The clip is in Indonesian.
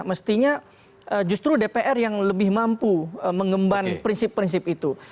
mestinya justru dpr yang lebih mampu mengemban prinsip prinsip itu